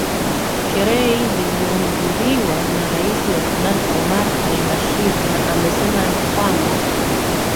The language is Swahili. sherehe hizi zinahudhuriwa na rais wa sudan omar al bashir na amesema kwamba